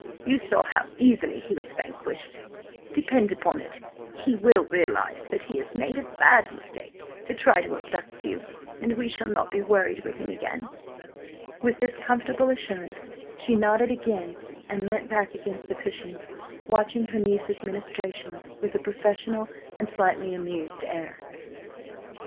You saw how easily he was vanquished. Depend upon it, he will realise that he has made a bad mistake to try to abduct you, and we shall not be worried with him again." With this comfortable assurance, she nodded again and leant back against the cushions, watching her niece's ministrations with a professional and slightly amused air.